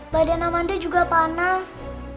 badan amanda juga panas